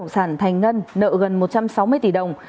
công ty cổ phần thành ngân nợ gần một trăm sáu mươi tỷ đồng